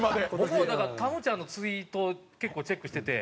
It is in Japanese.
僕もたむちゃんのツイート結構チェックしてて。